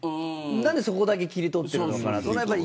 何で、そこだけ切り取っているのかなって。